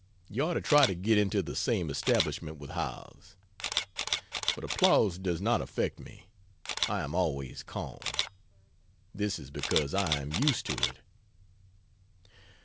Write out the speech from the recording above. You ought to try to get into the same establishment with Howells. But applause does not affect me I am always calm this is because I am used to it.